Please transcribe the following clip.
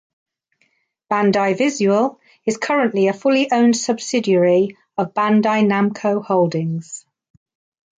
Bandai Visual is currently a fully owned subsidiary of Bandai Namco Holdings.